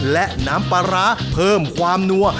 และน้ำปลาร้าเพิ่มความนัว